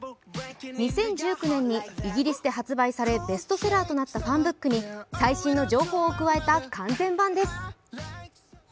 ２０１９年にイギリスで発売されベストセラーとなったファンブックに最新の情報を加えた完全版です。